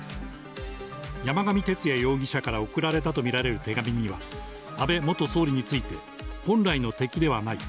山上徹也容疑者から送られたと見られる手紙には、安倍元総理について、本来の敵ではない。